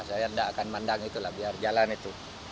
saya enggak akan mandang itu lah biar jalan itu